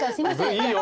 いいよ